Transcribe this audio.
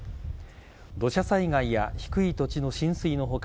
土砂災害や低い土地の浸水の他